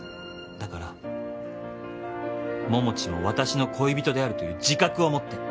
だから桃地も私の恋人であるという自覚を持って。